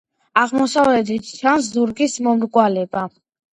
აღმოსავლეთით ჩანს ზურგის მომრგვალება.